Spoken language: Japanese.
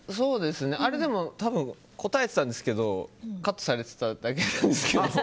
多分答えてたんですけどカットされてただけなんですけど。